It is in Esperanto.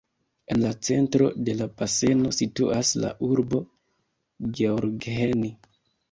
En la centro de la baseno situas la urbo Gheorgheni.